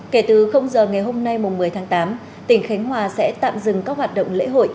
kể từ giờ ngày hôm nay một mươi tháng tám tỉnh khánh hòa sẽ tạm dừng các hoạt động lễ hội